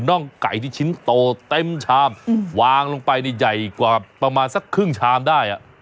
่องไก่ที่ชิ้นโตเต็มชามวางลงไปนี่ใหญ่กว่าประมาณสักครึ่งชามได้